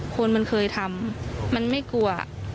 คนมันเคยทำมันไม่กลัว